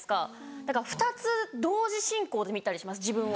だから２つ同時進行で見たりします自分を。